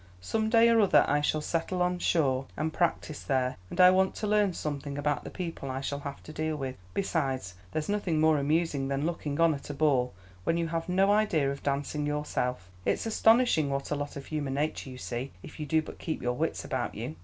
Some day or other I shall settle on shore and practise there, and I want to learn something about the people I shall have to deal with; besides, there's nothing more amusing than looking on at a ball when you have no idea of dancing yourself. It's astonishing what a lot of human nature you see if you do but keep your wits about you."